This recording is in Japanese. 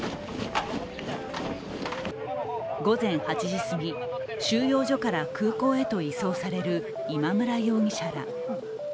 午前８時すぎ、収容所から空港へと移送される今村容疑者ら。